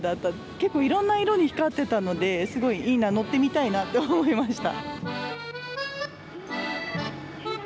結構、いろんな色に光ってたのでいいな、乗ってみたいなと思いました。